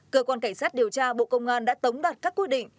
cơ quan cảnh sát điều tra bộ công an đã tống đặt các quy định